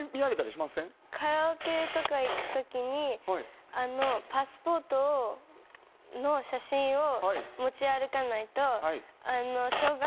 カラオケとか行く時にパスポートの写真を持ち歩かないと。